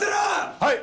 はい！